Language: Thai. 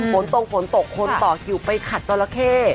ฝนตมฝนตกคนต่อคิวด์ไปขัดตะละเข้